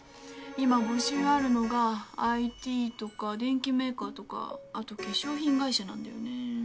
今募集あるのがＩＴとか電機メーカーとかあと化粧品会社なんだよね。